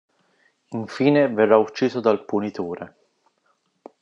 Infine verrà ucciso dal Punitore.